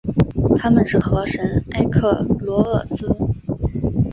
她们是河神埃克罗厄斯。